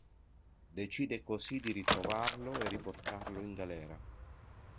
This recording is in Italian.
Decide così di ritrovarlo e riportarlo in galera.